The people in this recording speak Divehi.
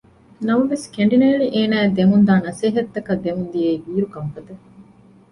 ނަމަވެސް ކެނޑިނޭޅި އޭނާއަށް ދެމުންދާ ނަސޭހަތްތަކަށް ދެމުންދިޔައީ ބީރު ކަންފަތެއް